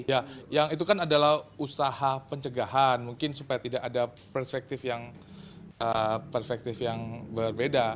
ya yang itu kan adalah usaha pencegahan mungkin supaya tidak ada perspektif yang perspektif yang berbeda